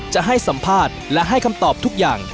จะให้สัมภาษณ์และให้คำตอบทุกอย่าง